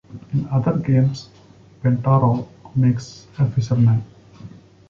In other games, Pentarou makes a fisherman.